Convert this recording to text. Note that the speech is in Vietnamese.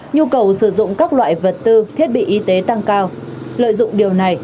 nhu cầu sử dụng các loại vật tư thiết bị y tế tăng cao lợi dụng điều này